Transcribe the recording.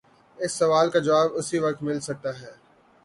اس سوال کا جواب اسی وقت مل سکتا ہے۔